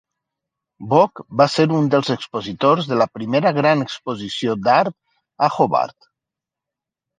Bock va ser un dels expositors de la primera gran exposició d'art a Hobart.